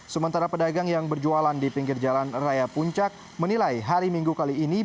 sementara pedagang yang berjualan di pinggir jalan raya puncak menilai hari minggu kali ini